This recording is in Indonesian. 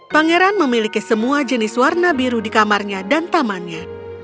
pangeran memiliki semua jenis warna biru di kamarnya dan tamannya